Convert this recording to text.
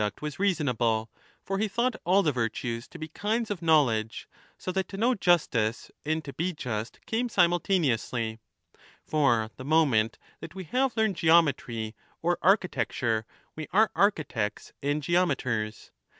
5 1216' was reasonable, for he thought all the virtues to be kinds of knowledge, so that to know justice and to be just came simultaneously ; for the moment that we have learned geometry or architecture we are architects and geometers.